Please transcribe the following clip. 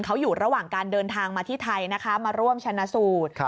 เขาอยู่ระหว่างการเดินทางมาที่ไทยนะคะมาร่วมชนะสูตร